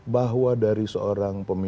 bahwa dari seorang pemimpin